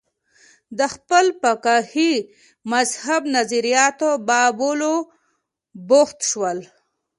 د خپل فقهي مذهب نظریاتو بابولو بوخت شول